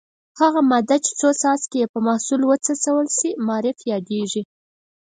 هغه ماده چې څو څاڅکي یې په محلول وڅڅول شي معرف یادیږي.